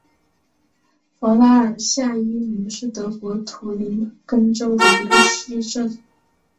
弗拉尔夏伊姆是德国图林根州的一个市镇。